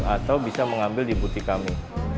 atau bisa mengambil di butik kami